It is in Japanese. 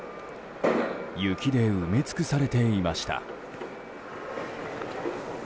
雪で埋め尽くされていました。